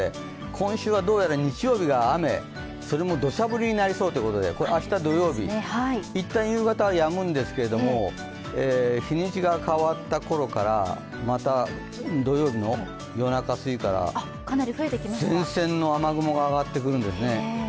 今週はどうやら日曜日が雨、それもどしゃ降りになりそうということでこれ明日土曜日いったん夕方やむんですけれども日にちが変わった頃から、また土曜日の夜中過ぎから前線の雨雲が上がってくるんですね。